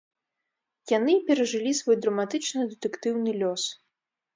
Яны перажылі свой драматычна-дэтэктыўны лёс.